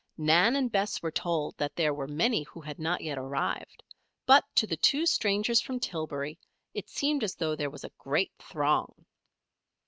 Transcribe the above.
Nan and Bess were told that there were many who had not yet arrived; but to the two strangers from Tillbury it seemed as though there was a great throng.